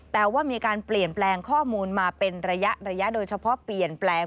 แต่ว่ามีการเปลี่ยนแปลงข้อมูลมาเป็นระยะโดยเฉพาะเปลี่ยนแปลง